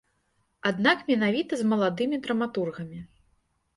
Аднак менавіта з маладымі драматургамі.